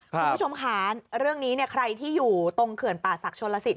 คุณผู้ชมค่ะเรื่องนี้เนี่ยใครที่อยู่ตรงเขื่อนป่าศักดิชนลสิท